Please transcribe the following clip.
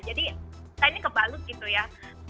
jadi kita ini kebalut gitu ya